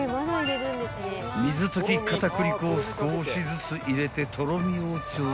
［水溶き片栗粉を少しずつ入れてとろみを調整］